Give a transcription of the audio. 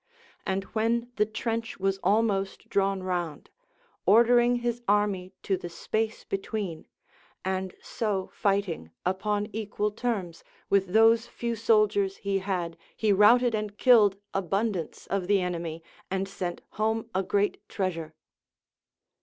And when the trench was almost drawn round, ordering his army to the space between, and so fighting upon equal terms, with those few soldiers he had he routed and killed abun dance of the enemy, and sent home a great treasure.